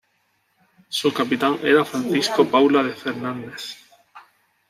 Su capitán era Francisco Paula de Fernández.